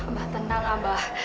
abah tenang abah